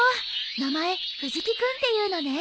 名前藤木君っていうのね。